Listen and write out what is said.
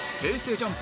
ＪＵＭＰ